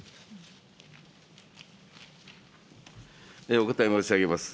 お答え申し上げます。